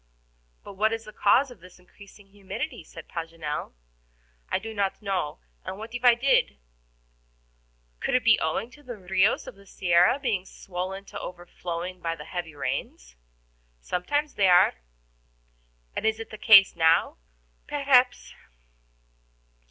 "But what is the cause of this increasing humidity?" said Paganel. "I do not know, and what if I did?" "Could it be owing to the RIOS of the Sierra being swollen to overflowing by the heavy rains?" "Sometimes they are." "And is it the case now?" "Perhaps."